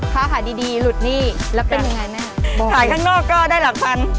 ค้าขายดีดีหลุดหนี้แล้วเป็นยังไงแม่ขายข้างนอกก็ได้หลักพัน